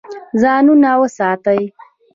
ځانونه وساتئ.